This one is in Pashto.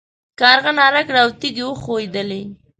کارغې ناره کړه او تيږې وښوېدلې.